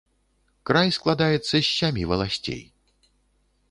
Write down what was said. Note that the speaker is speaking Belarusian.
Край складаецца з сямі валасцей.